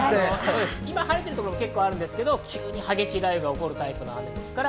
今晴れてるところもありますが急に激しい雷雨が起こるタイプの雨です。